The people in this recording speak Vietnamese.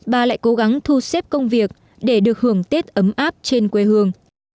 bà lại cố gắng thu xếp công việc để được hưởng tết ấm áp trên quê hương